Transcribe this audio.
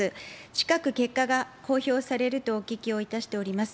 近く結果が公表されるとお聞きをいたしております。